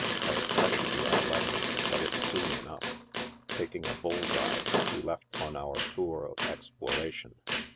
" I expected you at eleven ; but it's soon enough." Taking a bull's eye, we left on our tour of exploration.